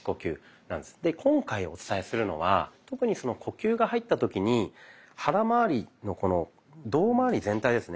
で今回お伝えするのは特に呼吸が入った時に腹まわり胴まわり全体ですね